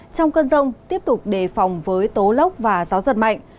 trong cơn rông tiếp tục đề phòng với tố lốc và gió giật mạnh